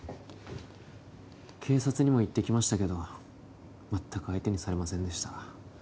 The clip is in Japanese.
警察にも行ってきましたけど全く相手にされませんでした